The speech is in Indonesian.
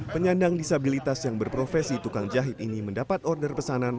penyandang disabilitas yang berprofesi tukang jahit ini mendapat order pesanan